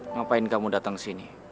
ngapain kamu datang sini